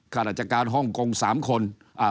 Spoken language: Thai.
ข้าราชการฮ่องกง๓คน